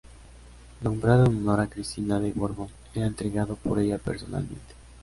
Nombrado en honor a Cristina de Borbón, era entregado por ella personalmente.